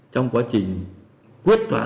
trong quá trình quyết thoả